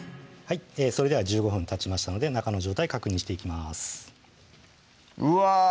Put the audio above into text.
それでは１５分たちましたので中の状態確認していきますうわ！